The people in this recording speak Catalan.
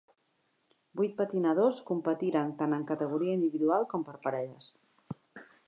Vuit patinadors competiren tant en categoria individual com per parelles.